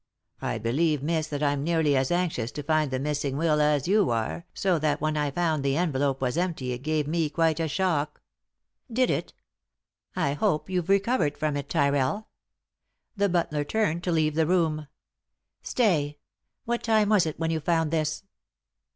I believe, miss, that I'm nearly as anxious to find the missing will as you are, so that when I found the envelope was empty it gave me quite a shock." " Did it ? I hope you've recovered from it, Tyrrell." The butler turned to leave the room. " Stay I What time was it when you found this